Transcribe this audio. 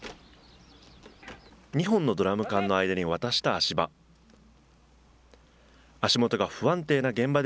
２本のドラム缶の間に渡した足場。